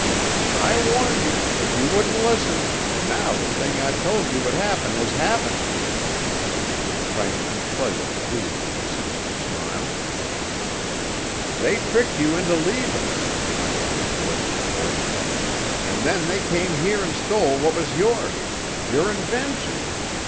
I warned you, but you wouldn't listen, an' now the thing I told you would happen has happened." Triumphant pleasure gleamed in the sinister smile. "They tricked you into leavin'," went on the malicious voice, "an' then they came here an' stole what was yours your invention.